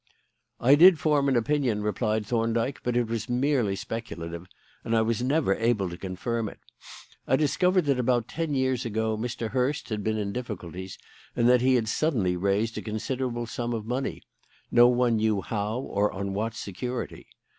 "I did form an opinion," replied Thorndyke, "but it was merely speculative, and I was never able to confirm it. I discovered that about ten years ago Mr. Hurst had been in difficulties and that he had suddenly raised a considerable sum of money, no one knew how or on what security.